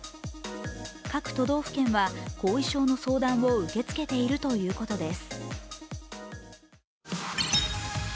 各都道府県は後遺症の相談を受け付けているということです。